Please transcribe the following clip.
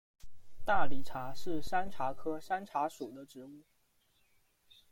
大理茶是山茶科山茶属的植物。